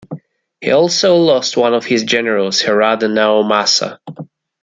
He also lost one of his generals, Harada Naomasa.